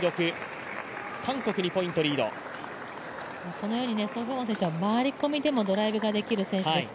このようにソ・ヒョウォン選手は回り込みでもドライブができる選手です。